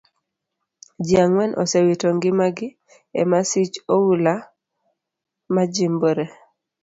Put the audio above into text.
Ji angwen osewito ngima gi e masich oula majimbore.